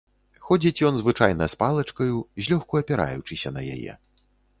Ходзіць ён звычайна з палачкаю, злёгку апіраючыся на яе.